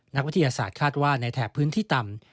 นักวิทยาศาสตร์คาดว่าในแถบพื้นที่ต่ำ